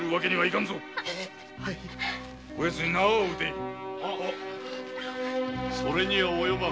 こ奴に縄を打て・それには及ばぬ。